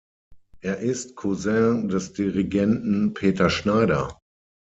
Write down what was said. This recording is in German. Er ist Cousin des Dirigenten Peter Schneider.